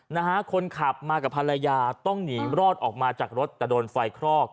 นะฮะคนขับมากับภรรยาต้องหนีรอดออกมาจากรถแต่โดนไฟคลอก